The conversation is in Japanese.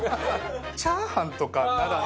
チャーハンとかなら。